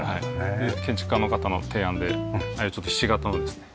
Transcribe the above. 建築家の方の提案でああいうちょっとひし形のですね